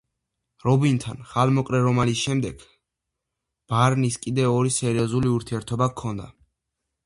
რობინთან ხანმოკლე რომანის შემდეგ, ბარნის კიდევ ორი სერიოზული ურთიერთობა ჰქონდა.